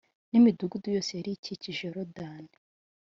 n imidugudu yose yari ikikije yorodani